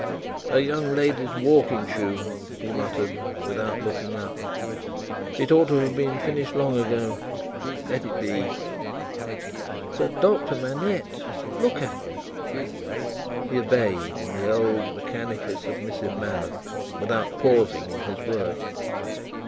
"A young lady's walking shoe," he muttered, without looking up. "It ought to have been finished long ago. Let it be." "But, Doctor Manette. Look at me!" He obeyed, in the old mechanically submissive manner, without pausing in his work.